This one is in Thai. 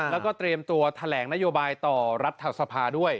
แล้วก็เตรียมตัวแถลงนโยบายต่อรัฐสภาด้วย